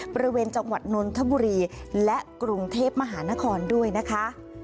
บริเวณจังหวัดนนทบุรีและกรุงเทพมหานครด้วยนะคะ